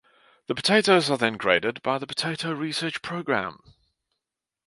The potatoes are then graded by the Potato Research Programme.